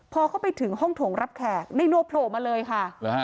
พอเข้าไปถึงห้องถงรับแขกในโนโผล่มาเลยค่ะ